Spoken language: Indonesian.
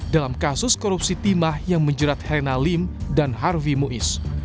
dalam kasus korupsi timah yang menjerat helena lim dan harvey mois